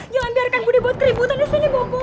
jangan biarkan budi buat keributan disini bapak